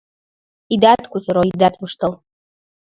Идат кутыро, идат воштыл, -